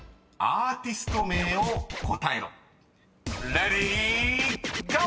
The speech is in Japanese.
［レディーゴー！］